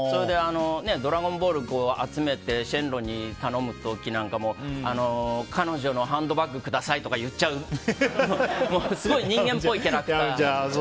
ドラゴンボール集めてシェンロンに頼む時なんかも彼女のハンドバッグくださいとか言っちゃうすごい人間っぽいキャラクターで。